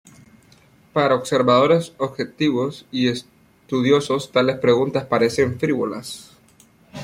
Para observadores objetivos y estudiosos tales preguntas parecen frívolas.